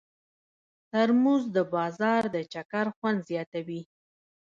ترموز د بازار د چکر خوند زیاتوي.